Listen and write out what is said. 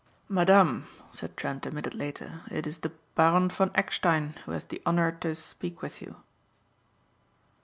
"Madam," said Trent a minute later, "it is the Baron von Eckstein who has the honor to speak with you."